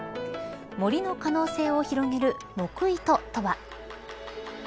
森の可能性を広げる木糸とは。